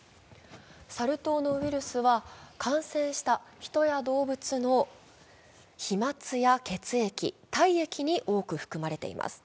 サル痘のウイルスは感染した人や動物の飛まつや血液、体液に多く含まれています。